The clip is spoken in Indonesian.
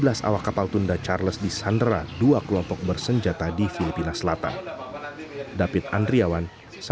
pada dua puluh dua juni dua ribu enam belas tiga belas awak kapal tunda charles di sandera dua kelompok bersenjata di filipina selatan